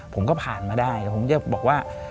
ผมก็ผ่านมาได้แต่ผมจะบอกว่า